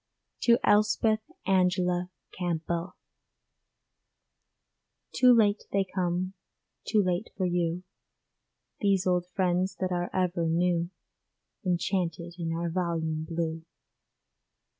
TO ELSPETH ANGELA CAMPBELL Too late they come, too late for you, These old friends that are ever new, Enchanted in our volume blue.